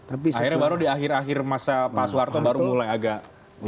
akhirnya baru di akhir akhir masa pak soeharto baru mulai agak